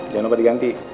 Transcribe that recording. jangan lupa diganti